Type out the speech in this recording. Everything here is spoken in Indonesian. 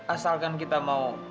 asalkan kita mau